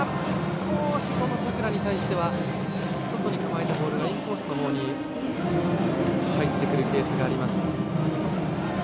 少し佐倉に対しては外に構えたボールがインコースの方に入ってくるケースがあります。